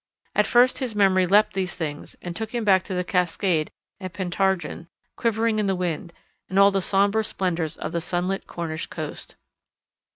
At first his memory leapt these things and took him back to the cascade at Pentargen quivering in the wind, and all the sombre splendours of the sunlit Cornish coast.